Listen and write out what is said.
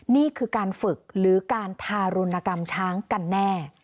นี่คือการฝึกหรือการทารุณกรรมช้างกันแน่